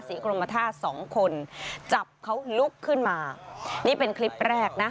กรมธาตุสองคนจับเขาลุกขึ้นมานี่เป็นคลิปแรกนะ